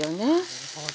なるほど。